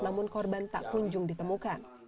namun korban tak kunjung ditemukan